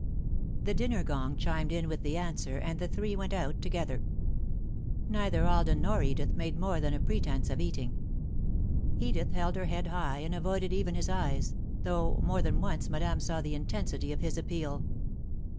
The dinner gong chimed in with the answer, and the three went out together. Neither Alden nor Edith made more than a pretence of eating. Edith held her head high and avoided even his eyes, though more than once Madame saw the intensity of his appeal.